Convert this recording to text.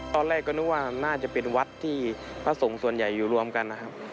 ตอนแรกก็นึกว่าน่าจะเป็นวัดที่พระสงฆ์ส่วนใหญ่อยู่รวมกันนะครับ